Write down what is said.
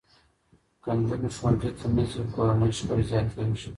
که نجونې ښوونځي ته نه ځي، کورني شخړې زیاتېږي.